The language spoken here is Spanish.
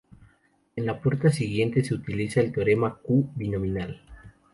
En la prueba siguiente, se utiliza el teorema "q"-binomial.